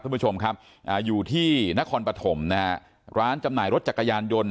คุณผู้ชมครับอยู่ที่นครปฐมนะฮะร้านจำหน่ายรถจักรยานยนต์